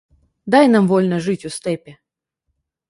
Дай нам вольна жыць у стэпе.